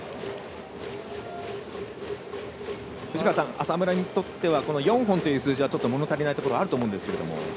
浅村にとっては４本という数字はちょっともの足りないところあると思うんですけど。